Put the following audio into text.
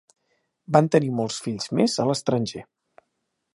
Van tenir molts fills més a l'estranger.